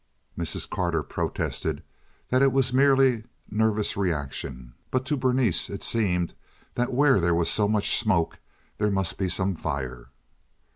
Mrs. Carter protested that it was merely nervous reaction, but to Berenice it seemed that where there was so much smoke there must be some fire.